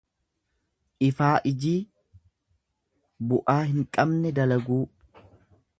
Ifaaijii bu'aa hin qabne dalaguu.